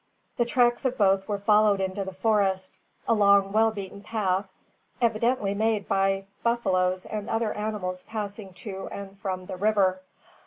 The tracks of both were followed into the forest, along well beaten path, evidently made by buffaloes and other animals passing to and from the river.